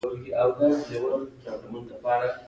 نه نه ته به نه ورزې.